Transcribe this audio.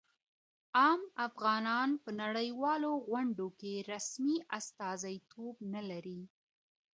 عام افغانان په نړیوالو غونډو کي رسمي استازیتوب نه لري.